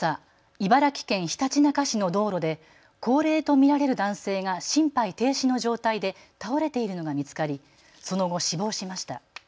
茨城県ひたちなか市の道路で高齢と見られる男性が心肺停止の状態で倒れているのが見つかりその後、死亡しました。